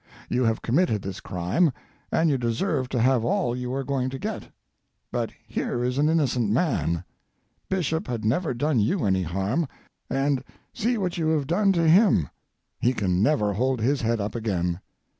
You have committed this crime, and you deserve to have all you are going to get. But here is an innocent man. Bishop had never done you any harm, and see what you have done to him. He can never hold his head up again.